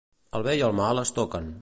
El bé i el mal es toquen.